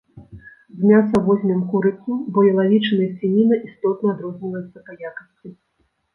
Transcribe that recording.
З мяса возьмем курыцу, бо ялавічына і свініна істотна адрозніваюцца па якасці.